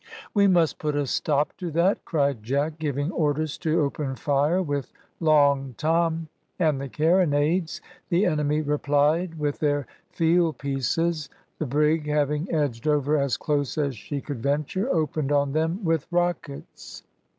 "We must put a stop to that," cried Jack, giving orders to open fire with Long Tom and the carronades. The enemy replied with their field pieces. The brig, having edged over as close as she could venture, opened on them with rockets.